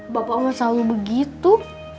bapak mau selalu begitu